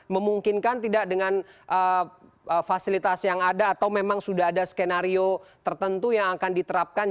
memungkinkan tidak dengan fasilitas yang ada atau memang sudah ada skenario tertentu yang akan diterapkan